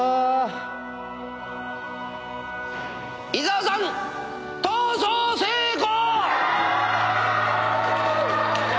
伊沢さん、逃走成功！